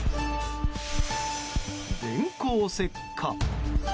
電光石火。